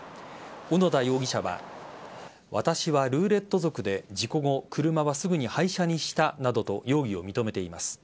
小野田容疑者は私はルーレット族で事故後、車はすぐに廃車にしたなどと容疑を認めています。